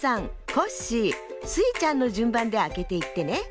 コッシースイちゃんのじゅんばんであけていってね。